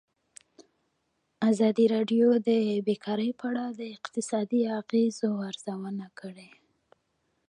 ازادي راډیو د بیکاري په اړه د اقتصادي اغېزو ارزونه کړې.